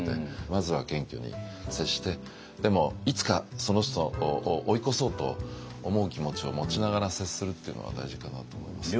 まずは謙虚に接してでもいつかその人を追い越そうと思う気持ちを持ちながら接するっていうのは大事かなと思います。